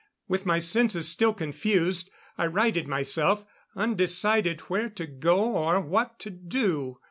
With my senses still confused, I righted myself, undecided where to go or what to do.